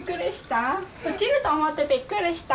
落ちると思ってびっくりした？